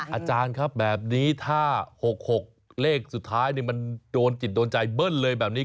อาจารย์ครับแบบนี้ถ้า๖๖เลขสุดท้ายมันโดนจิตโดนใจเบิ้ลเลยแบบนี้